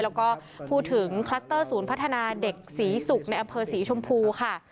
แล้วก็พูดถึงคลัสเตอร์ศูนย์พัฒนาเด็กศรีศุกร์ในอำเภอศรีชมพูค่ะ